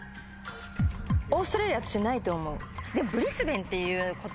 オーストラリアは私ないと思うでも。